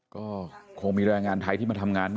ก็คงมีแรงงานไทยที่มาทำงาน